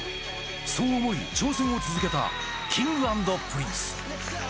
そう思い、挑戦を続けたＫｉｎｇ＆Ｐｒｉｎｃｅ。